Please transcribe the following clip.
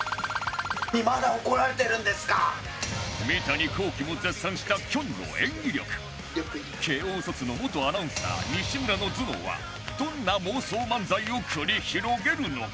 三谷幸喜も絶賛したきょんの演技力慶應卒の元アナウンサー西村の頭脳はどんな妄想漫才を繰り広げるのか？